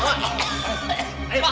pak gak kuasa pak